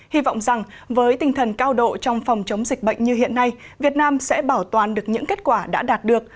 hy vọng rằng với tinh thần cao độ trong phòng chống dịch bệnh như hiện nay việt nam sẽ bảo toàn được những kết quả đã đạt được